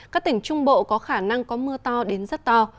các tỉnh trung bộ có khả năng có mưa to đến rất to